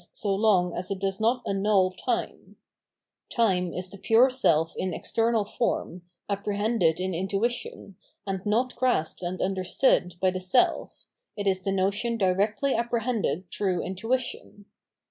so long as it does not annul time. Time is the pure self in external form, apprehended in intuition, and not grasped and understood by the self, it is the notion directly apprehended through intuition.